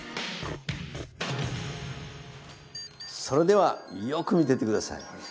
それではよく見てて下さい。